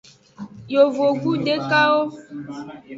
Yovogbu dekawo.